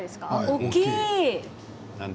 大きい。